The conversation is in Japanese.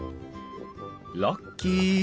ラッキー。